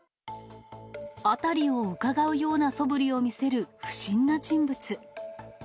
辺りをうかがうようなそぶりを見せる不審な人物。